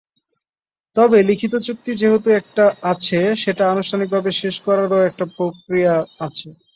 তবে লিখিত চুক্তি যেহেতু একটা আছে, সেটা আনুষ্ঠানিকভাবে শেষ করারও একটা প্রক্রিয়া আছে।